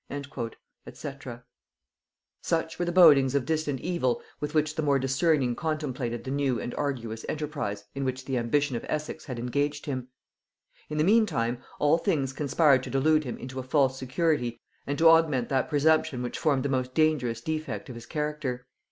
&c. [Note 132: Nugæ Antiquæ.] Such were the bodings of distant evil with which the more discerning contemplated the new and arduous enterprise in which the ambition of Essex had engaged him! In the meantime, all things conspired to delude him into a false security and to augment that presumption which formed the most dangerous defect of his character.